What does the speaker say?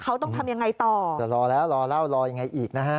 เขาต้องทำยังไงต่อจะรอแล้วรอเล่ารอยังไงอีกนะฮะ